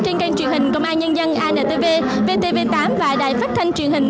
trên căn truyền hình công an nhân dân antv vtv tám và đài phát thanh truyền hình